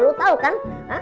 lo tau kan